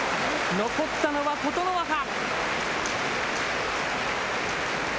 残ったのは琴ノ若。